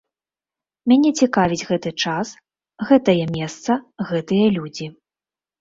Мяне цікавіць гэты час, гэтае месца гэтыя людзі.